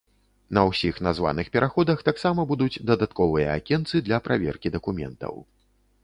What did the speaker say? На ўсіх названых пераходах таксама будуць дадатковыя акенцы для праверкі дакументаў.